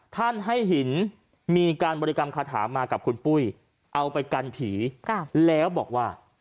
ท่านให้หินมีการบริกรรมคาถามากับคุณปุ้ยเอาไปกันผีแล้วบอกว่า